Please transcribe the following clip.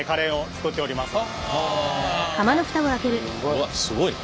うわっすごいな。